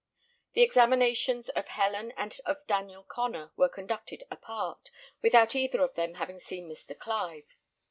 The examinations of Helen and of Daniel Connor were conducted apart, without either of them having seen Mr. Clive.